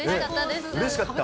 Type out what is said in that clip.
うれしかった。